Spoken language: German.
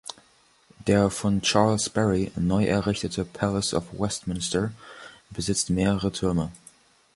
Der von Charles Barry neu errichtete Palace of Westminster besitzt mehrere Türme.